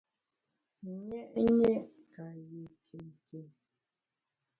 Nyé’nyé’ ka yé kinkin.